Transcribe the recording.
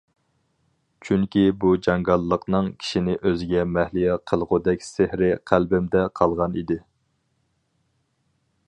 چۈنكى بۇ جاڭگاللىقنىڭ كىشىنى ئۆزىگە مەھلىيا قىلغۇدەك سېھرى قەلبىمدە قالغان ئىدى.